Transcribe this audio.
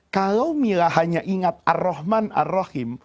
kalau mila hanya ingat ar rahman ar rahim